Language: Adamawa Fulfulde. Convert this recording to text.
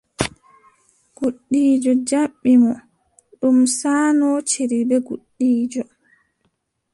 Gudiijo jaɓɓi mo, ɗum saanootiri bee gudiijo.